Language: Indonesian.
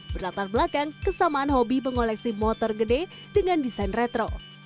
berlatar belakang kesamaan hobi mengoleksi motor gede dengan desain retro